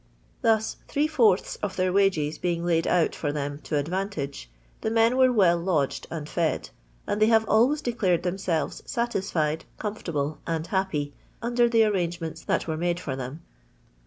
Thus, three fourths of their wages being laid out for them to advantage, the men were well lodged and fod ; and they have always declared themselves satisfied, comfortable, and happy, under the anangements that were made for tliem.